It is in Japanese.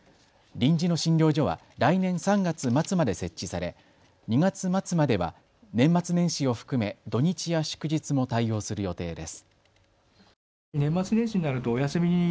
臨時の診療所は来年３月末まで設置され、２月末までは年末年始を含め土日や祝日も対応する予定です。